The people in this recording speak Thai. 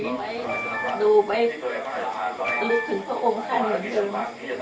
ดูไปรู้ถึงพ่อองค์ท่านอย่างเดิม